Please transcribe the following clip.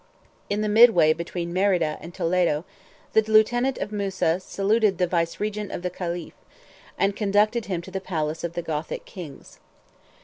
In the midway between Merida and Toledo, the lieutenant of Musa saluted the vicegerent of the caliph, and conducted him to the palace of the Gothic kings.